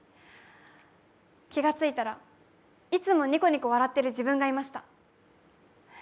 気がついたら、いつもニコニコ笑ってる自分がいました。